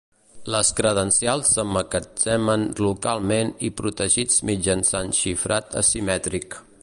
Les credencials s'emmagatzemen localment i protegits mitjançant xifrat asimètric.